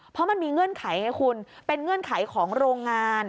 เพราะมันมีเงื่อนไขไงคุณเป็นเงื่อนไขของโรงงาน